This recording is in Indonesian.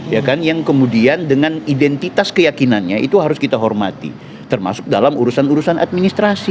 ya kan yang kemudian dengan identitas keyakinannya itu harus kita hormati termasuk dalam urusan urusan administrasi